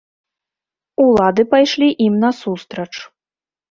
Улады пайшлі ім насустрач.